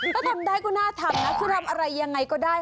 ถ้าทำได้ก็น่าทำนะคือทำอะไรยังไงก็ได้